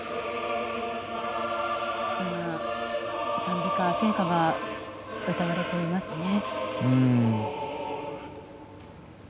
今、賛美歌聖歌が歌われていますね。